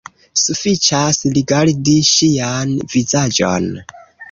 Sufiĉas rigardi ŝian vizaĝon.